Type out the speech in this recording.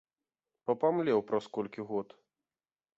Папамлеў праз колькі год!